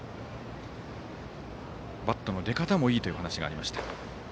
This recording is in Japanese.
バットの出方もいいというお話がありました。